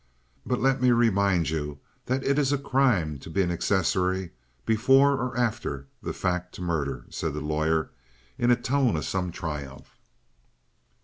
"But let me remind you that it is a crime to be an accessory before, or after, the fact to murder," said the lawyer in a tone of some triumph.